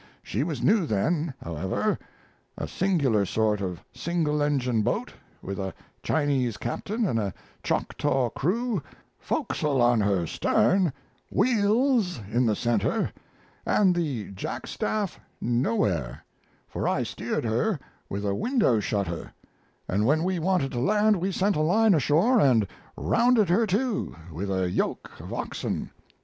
She was new then, however; a singular sort of a single engine boat, with a Chinese captain and a Choctaw crew, forecastle on her stern, wheels in the center, and the jackstaff "nowhere," for I steered her with a window shutter, and when we wanted to land we sent a line ashore and "rounded her to" with a yoke of oxen.